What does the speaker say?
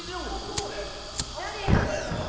パスタじゃないですか。